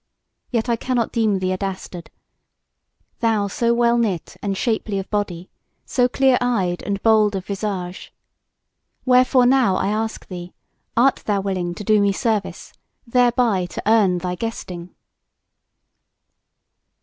Yet I cannot deem thee a dastard; thou so well knit and shapely of body, so clear eyed and bold of visage. Wherefore now I ask thee, art thou willing to do me service, thereby to earn thy guesting?"